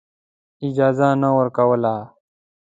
اجازه نه ورکوله.